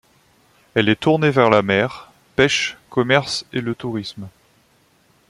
Elle est tournée vers la mer, pêche, commerce et le tourisme.